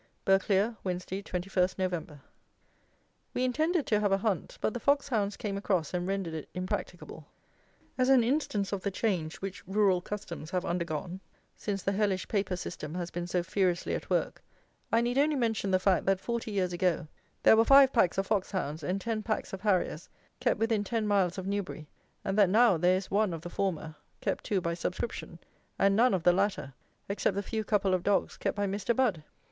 Burghclere, Wednesday, 21 Nov. We intended to have a hunt; but the foxhounds came across and rendered it impracticable. As an instance of the change which rural customs have undergone since the hellish paper system has been so furiously at work, I need only mention the fact, that, forty years ago, there were five packs of foxhounds and ten packs of harriers kept within ten miles of Newbury; and that now there is one of the former (kept, too, by subscription) and none of the latter, except the few couple of dogs kept by Mr. Budd!